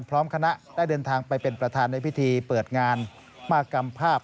พร้อมคณะได้เดินทางไปเป็นประธานในพิธีเปิดงานมากรรมภาพ